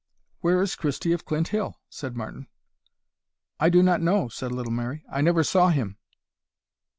"Where is Christie of Clint hill?" said Martin. "I do not know," said little Mary; "I never saw him."